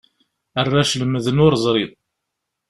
Arrac lemmden ur ẓrin.